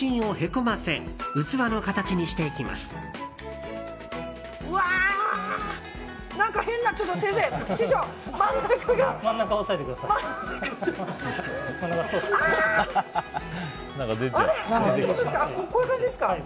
こういう感じですか。